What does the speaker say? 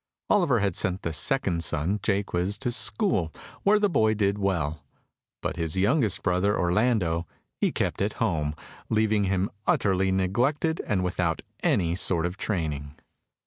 Oliver had sent the second son, Jaques, to school, where the boy did well; but his youngest brother, Orlando, he kept at home, leaving him utterly neglected and without any sort of training.